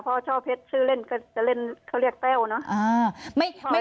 ช่อเพชรชื่อเล่นก็จะเล่นเขาเรียกแต้วเนอะ